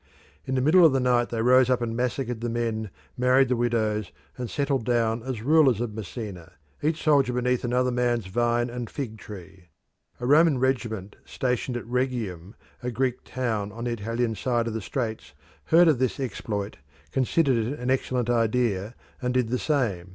In the middle of the night they rose up and massacred the men, married the widows, and settled down as rulers of Messina, each soldier beneath another man's vine and fig tree. A Roman regiment stationed at Rhegium, a Greek town on the Italian side of the straits, heard of this exploit, considered it an excellent idea, and did the same.